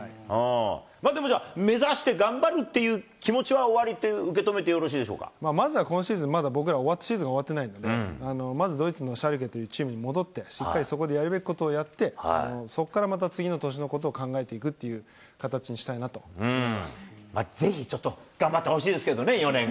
でもじゃあ目指して頑張るっていう気持ちはおありと受け止めてよまずは今シーズン、まだ僕らシーズン終わってないので、まずドイツのシャルケというチームに戻って、しっかりそこでやるべきことをやって、そこからまた次の年のことを考えていくというぜひちょっと、頑張ってほしいですけどね。